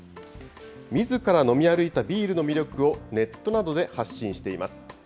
みずから飲み歩いたビールの魅力をネットなどで発信しています。